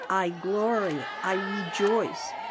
"I glory, I rejoice!